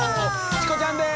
チコちゃんです。